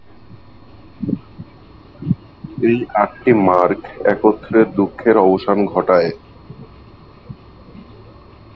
এই আটটি মার্গ একত্রে দুঃখের অবসান ঘটায়।